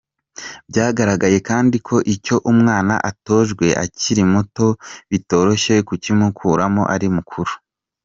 Byagaragaye kandi ko icyo umwana atojwe akiri muto bitoroshye kukimukuramo ari mukuru.